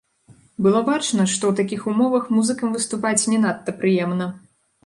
Было бачна, што ў такіх умовах музыкам выступаць не надта прыемна.